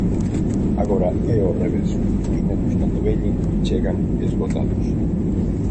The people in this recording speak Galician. Agora é ó revés: os nenos cando veñen, chegan esgotados.